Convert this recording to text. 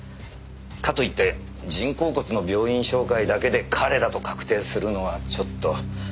かといって人工骨の病院紹介だけで彼だと確定するのはちょっと。